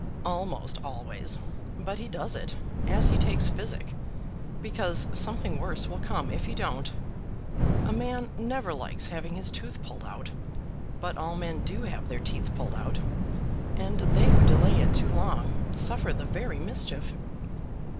"Almost always; but he does it, as he takes physic, because something worse will come if he don't. A man never likes having his tooth pulled out, but all men do have their teeth pulled out, and they who delay it too long suffer the very mischief."